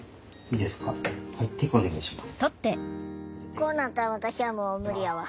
こうなったら私はもう無理やわ。